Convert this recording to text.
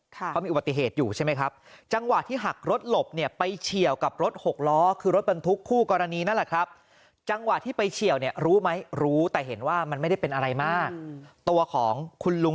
เขามีอุบัติเหตุอยู่ใช่ไหมครับจังหวะที่หักรถหลบเนี่ยไปเฉียวกับรถหกล้อ